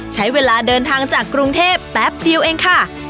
ใช้เวลาเดินทางจากกรุงเทพแป๊บเดียวเองค่ะ